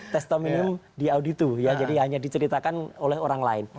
testominium diauditu ya jadi hanya diceritakan oleh orang lain